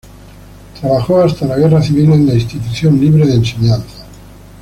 Trabajó hasta la Guerra Civil en la Institución Libre de Enseñanza.